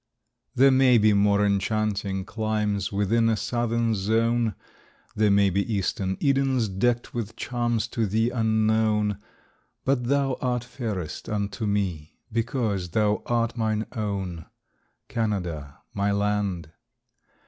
There may be more enchanting climes Within a southern zone; There may be eastern Edens deckt With charms to thee unknown; But thou art fairest unto me, Because thou art mine own, Canada, my land.